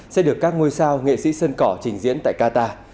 sẽ được các ngôi sao nghệ sĩ sơn cỏ trình diễn tại qatar